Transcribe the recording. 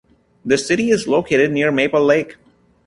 The city is located near Maple Lake.